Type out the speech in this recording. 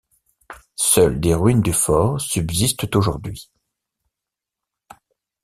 Seules des ruines du fort subsistent aujourd'hui.